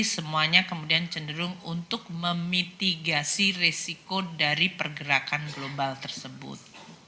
semuanya kemudian cenderung untuk memitigasi resiko dari pergerakan global tersebut